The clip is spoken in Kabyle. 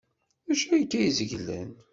D acu akka ay zeglen?